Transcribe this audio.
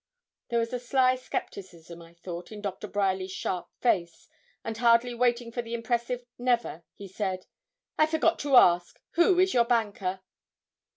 There was a sly scepticism, I thought, in Doctor Bryerly's sharp face; and hardly waiting for the impressive 'never,' he said 'I forgot to ask, who is your banker?'